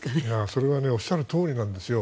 それはおっしゃるとおりなんですよ。